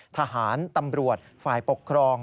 ทหารตำรวจฝ่ายปกครอง